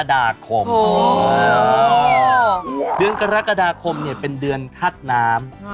เดือนกรกฎาคมเนี่ยเป็นเดือนทัศน์น้ำ